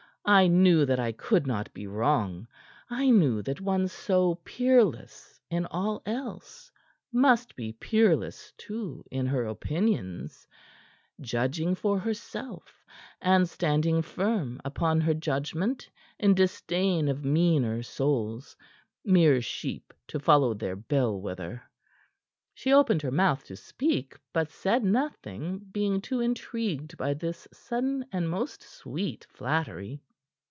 I knew that I could not be wrong. I knew that one so peerless in all else must be peerless, too, in her opinions; judging for herself, and standing firm upon her judgment in disdain of meaner souls mere sheep to follow their bell wether." She opened her mouth to speak, but said nothing, being too intrigued by this sudden and most sweet flattery.